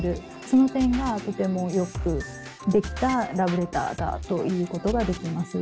その点がとてもよくできたラブレターだということができます。